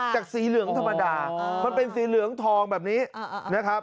สีเหลืองธรรมดามันเป็นสีเหลืองทองแบบนี้นะครับ